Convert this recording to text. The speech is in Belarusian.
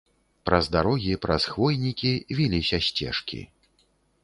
Праз дарогі, праз хвойнікі віліся сцежкі.